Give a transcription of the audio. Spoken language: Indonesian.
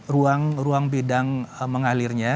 ruang ruang bidang mengalirnya